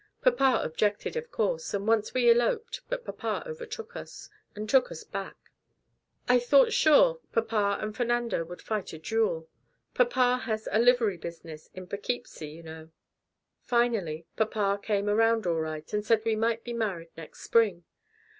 Papa objected, of course, and once we eloped, but papa overtook us, and took us back. I thought sure papa and Fernando would fight a duel. Papa has a livery business in P'kipsee, you know. "Finally, papa came around all right, and said we might be married next spring.